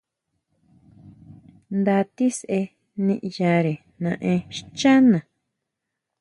Nda tisʼe niʼyare naʼen xchana.